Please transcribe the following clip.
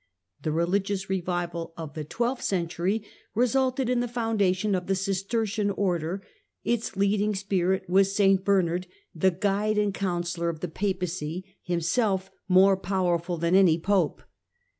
The religious revival of the twelfth century resulted in the foundation of the Cistercian Order. Its leading spirit was St Bernard, the guide and counsellor of the Papacy, himself more powerful than any Pope.